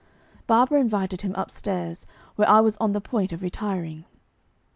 Barbara invited him upstairs, where I was on the point of retiring.